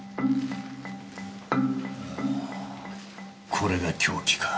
これが凶器か。